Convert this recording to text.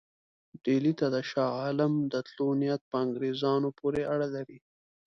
ډهلي ته د شاه عالم د تللو نیت په انګرېزانو پورې اړه لري.